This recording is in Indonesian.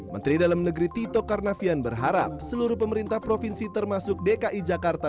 menteri dalam negeri tito karnavian berharap seluruh pemerintah provinsi termasuk dki jakarta